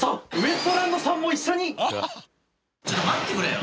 さあちょっと待ってくれよ。